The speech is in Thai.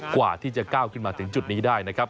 กว่าที่จะก้าวขึ้นมาถึงจุดนี้ได้นะครับ